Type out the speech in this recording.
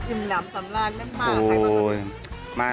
อิ่มหนำสำราญได้มาหรือไครมาทำไม